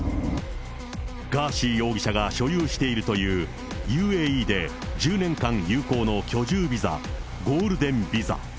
ガーシー容疑者が所有しているという、ＵＡＥで１０年間有効の居住ビザ、ゴールデンビザ。